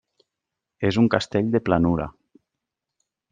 És un castell de planura.